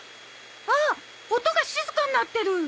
あっ音が静かになってる。